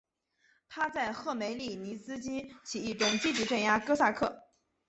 他在赫梅利尼茨基起义中积极镇压哥萨克。